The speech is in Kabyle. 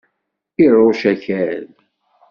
Irucc akal.